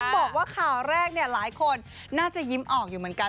บอกว่าข่าวแรกเนี่ยหลายคนน่าจะยิ้มออกอยู่เหมือนกัน